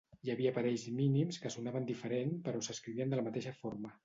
Hi havia parells mínims que sonaven diferent però s'escrivien de la mateixa forma.